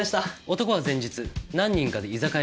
男は前日何人かで居酒屋に行った。